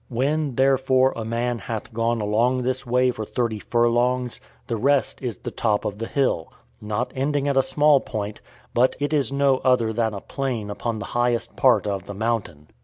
When, therefore, a man hath gone along this way for thirty furlongs, the rest is the top of the hill not ending at a small point, but is no other than a plain upon the highest part of the mountain.